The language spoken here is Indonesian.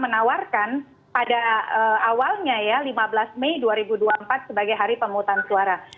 pertama kali dalam sejarah elektoral kita pemerintah secara terbuka menawarkan pada awalnya ya lima belas mei dua ribu dua puluh empat sebagai hari pemungutan suara